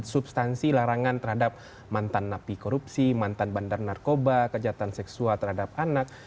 substansi larangan terhadap mantan napi korupsi mantan bandar narkoba kejahatan seksual terhadap anak